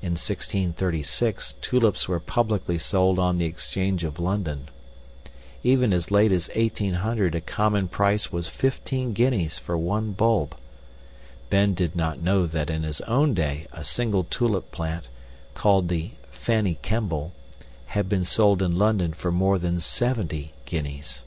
In 1636, tulips were publicly sold on the Exchange of London. Even as late as 1800 a common price was fifteen guineas for one bulb. Ben did not know that in his own day a single tulip plant, called the "Fanny Kemble", had been sold in London for more than seventy guineas.